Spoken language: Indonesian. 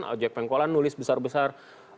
ojek pengkolan nulis besar besar